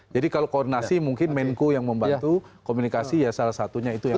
jadi kalau koordinasi mungkin menko yang membantu komunikasi ya salah satunya itu yang